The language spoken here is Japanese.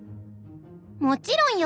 「もちろんよ。